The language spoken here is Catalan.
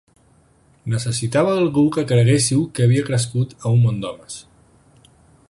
Necessitava algú que creguéssiu que havia crescut a un món d'homes.